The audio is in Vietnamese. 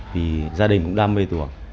vì gia đình cũng đam mê tuồng